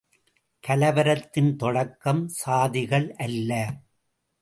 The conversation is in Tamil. கலவரத்தின் தொடக்கம் சாதிகள் அல்ல!